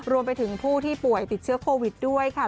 รวมไปถึงผู้ที่ป่วยติดเชื้อโควิดด้วยค่ะ